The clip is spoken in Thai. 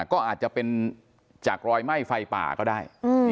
ก็อาจจะเป็นจากรอยไหม้ไฟป่าก็ได้